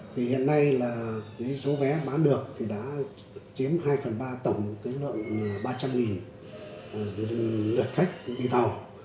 thì hiện nay là số vé bán được thì đã chiếm hai phần ba tổng cái lợi ba trăm linh lượt khách đi tàu